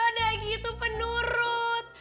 udah gitu penurut